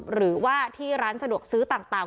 หรือว่าที่ร้านสะดวกซื้อต่าง